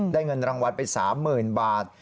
เงินรางวัลไป๓๐๐๐บาท